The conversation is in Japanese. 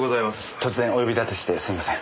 突然お呼び立てしてすみません。